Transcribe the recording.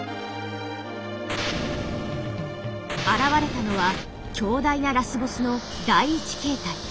現れたのは強大なラスボスの第１形態。